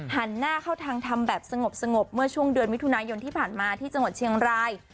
หันหน้าเข้าทางทำแบบสงบเมื่อช่วงเดือนมิถุนายนที่ผ่านมาที่จังหวัดเชียงราย